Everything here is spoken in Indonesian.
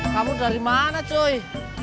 kamu dari mana cuy